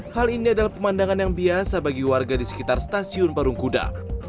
hal ini adalah pemandangan yang biasa bagi warga di sekitar stasiun parung kuda